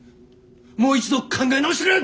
もう一度考え直してくれ！